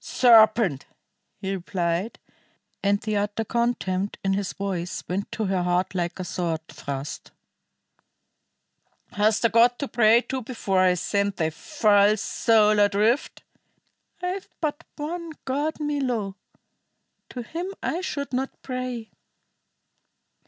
"Serpent!" he replied, and the utter contempt in his voice went to her heart like a sword thrust. "Hast a God to pray to before I send thy false soul adrift?" "I have but one God, Milo; to Him I should not pray."